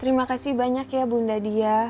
terima kasih banyak ya bunda dia